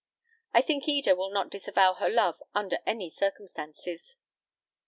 I think Eda will not disavow her love under any circumstances?"